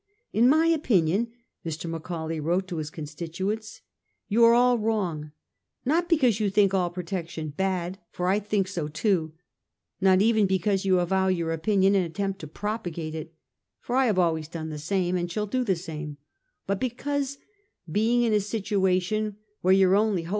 * In my opinion,' Mr. Macaulay wrote to his constituents, ' you are all wrong — not because you think all protection bad, for I think so too ; not even because you avow your *» opinion and attempt to propagate it; for I have always done the same, and shall do the same ; but because, being in a situation where your only hope 1843.